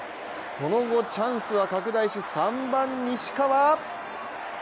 その後、チャンスは拡大し、３番・西川。